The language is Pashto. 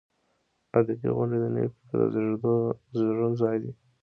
ادبي غونډې د نوي فکر د زیږون ځای دی.